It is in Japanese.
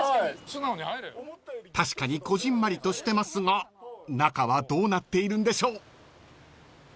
［確かにこぢんまりとしてますが中はどうなっているんでしょう］